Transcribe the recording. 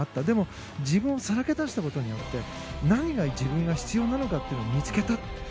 でも自分をさらけ出したことによって何が自分に必要なのかを見つけた。